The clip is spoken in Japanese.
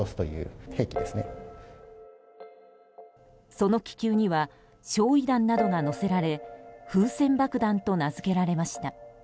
その気球には焼夷弾などが載せられ風船爆弾と名づけられました。